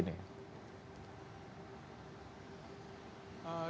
dan kemudian mereka dirawat dan seperti apa penanganan untuk korban selamatnya